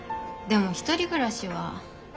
でも１人暮らしは。